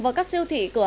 và các siêu thị cửa